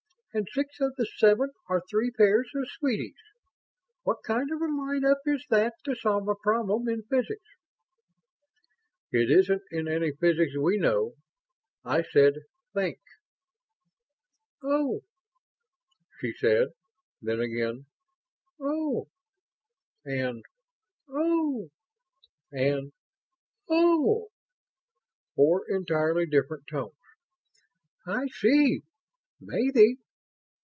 And six of the seven are three pairs of sweeties. What kind of a line up is that to solve a problem in physics?" "It isn't in any physics we know. I said think!" "Oh," she said, then again "Oh," and "Oh," and "Oh." Four entirely different tones. "I see ... maybe.